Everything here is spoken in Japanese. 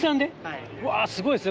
わー、すごいですね。